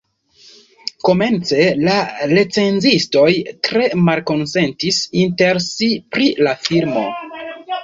Komence la recenzistoj tre malkonsentis inter si pri la filmo.